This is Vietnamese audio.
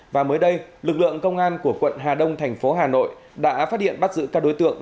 và mới đây lực lượng công an của quận hà đông thành phố hà nội đã phát hiện bắt giữ các đối tượng